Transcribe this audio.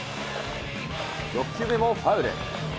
６球目もファウル。